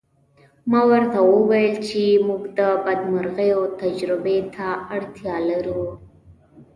ما ورته وویل چې موږ د بدمرغیو تجربې ته اړتیا لرو